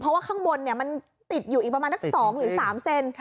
เพราะว่าข้างบนมันติดอยู่อีกประมาณนัก๒หรือ๓เซน